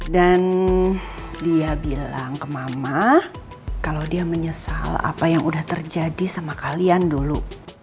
dan dia bilang ke mama kalo dia menyesal apa yang udah terjadi sama kalian dulu